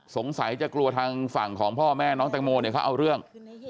สงสัยจะกลัวทางฝั่งของพ่อแม่น้องแตงโมเนี่ยเขาเอาเรื่อง